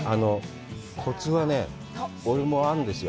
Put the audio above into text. コツはね、俺もあるんですよ。